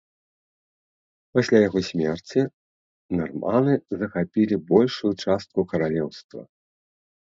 Пасля яго смерці нарманы захапілі большую частку каралеўства.